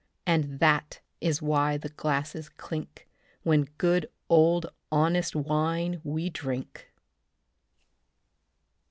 And that is why the glasses clink When good old honest wine we drink.